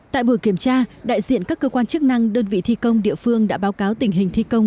tại buổi kiểm tra đại diện các cơ quan chức năng đơn vị thi công địa phương đã báo cáo tình hình thi công